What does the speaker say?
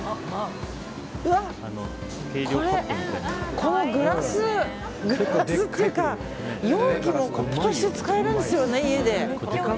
これ、グラスっていうか容器もコップとして使えるんですよね。